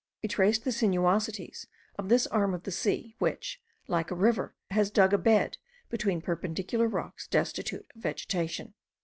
We traced the sinuosities of this arm of the sea, which, like a river, has dug a bed between perpendicular rocks destitute of vegetation.